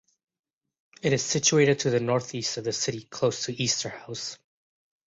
It is situated to the North-East of the city close to Easterhouse.